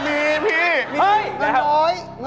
ถ้าเป็นปากถ้าเป็นปาก